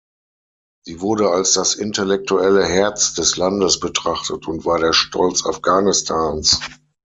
Sie wurde als das intellektuelle Herz des Landes betrachtet und war der Stolz Afghanistans.